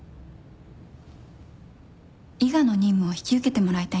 伊賀の任務を引き受けてもらいたいんです。